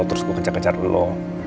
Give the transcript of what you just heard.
terus gue kejar kejar dulu